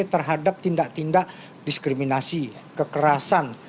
terhadap tindak tindak diskriminasi kekerasan